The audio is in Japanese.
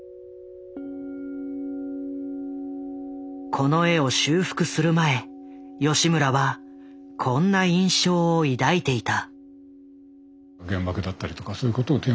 この絵を修復する前吉村はこんな印象を抱いていた。